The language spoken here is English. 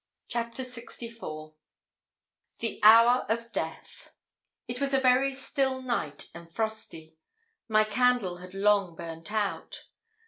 CHAPTER LXIV THE HOUR OF DEATH It was a very still night and frosty. My candle had long burnt out.